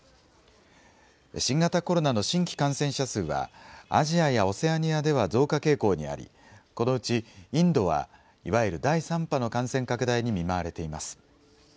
新型コロナの新規感染者数はアジアやオセアニアでは増加傾向にあり、このうちインドはいわゆる第３波の感染拡大に見舞われています。